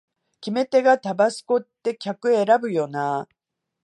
決め手がタバスコって客選ぶよなあ